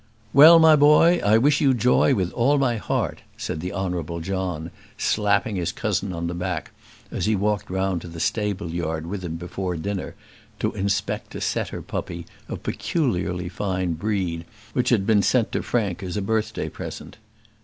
"Well, my boy, I wish you joy with all my heart," said the Honourable John, slapping his cousin on the back, as he walked round to the stable yard with him before dinner, to inspect a setter puppy of peculiarly fine breed which had been sent to Frank as a birthday present.